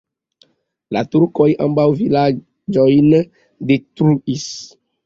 La turkoj ambaŭ vilaĝojn detruis.